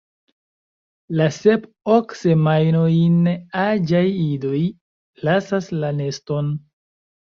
La sep–ok semajnojn aĝaj idoj lasas la neston.